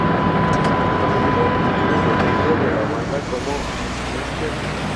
Las cenizas de Azucena Villaflor fueron esparcidas en la Plaza de Mayo.